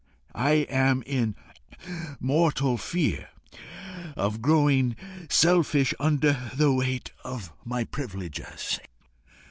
I am in mortal fear of growing selfish under the weight of my privileges."